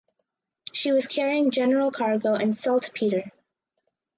She was carrying general cargo and saltpeter.